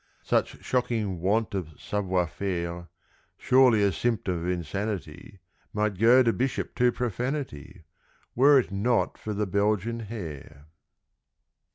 = Such shocking want of savoir faire, (Surely a symptom of insanity) Might goad a Bishop to profanity Were it not for the Belgian hare.